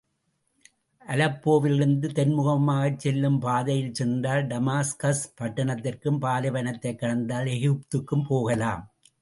அலெப்போவிலிருந்து, தென்முகமாகச் செல்லும் பாதையிலே சென்றால், டமாஸ்கஸ் பட்டணத்திற்கும், பாலைவனத்தைக் கடந்தால் எகிப்துக்கும் போகலாம்.